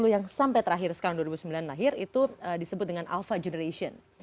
yang sampai terakhir sekarang dua ribu sembilan lahir itu disebut dengan alpha generation